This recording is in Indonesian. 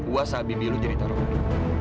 wasabi biul jahit taruh lo